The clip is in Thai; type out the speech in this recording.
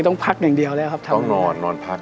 เก้ต้องพักอย่างเดียวแล้วครับต้องนอนพัก